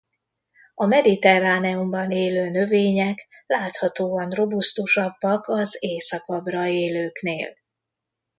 A mediterráneumban élő növények láthatóan robusztusabbak az északabbra élőknél.